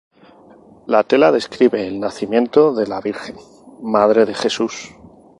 La tela describe el Nacimiento de la Virgen, madre de Jesús.